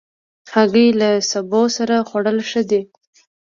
هګۍ له سبو سره خوړل ښه دي.